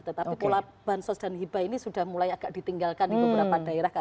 tetapi pola bansos dan hibah ini sudah mulai agak ditinggalkan di beberapa daerah